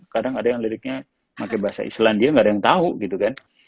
kadang ada yang liriknya pakai bahasa islandia nggak ada yang tahu gitu kan